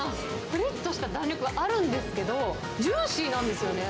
ぷりっとした弾力はあるんですけど、ジューシーなんですよね。